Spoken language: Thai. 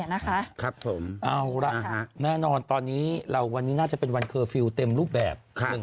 เอาละแน่นอนตอนนี้น่าจะเป็นวันเคอร์ฟิลล์เต็มรูปแบบ